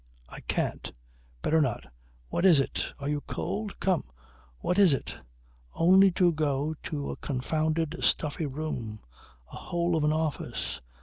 . I can't. Better not. What is it? Are you cold? Come! What is it? Only to go to a confounded stuffy room, a hole of an office.